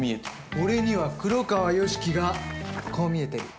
俺には黒川良樹がこう見えてる。